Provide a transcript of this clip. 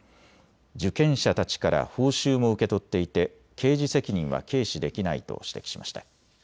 受験者たちから報酬も受け取っていて刑事責任は軽視できないと指摘しました。